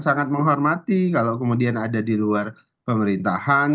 sangat menghormati kalau kemudian ada di luar pemerintahan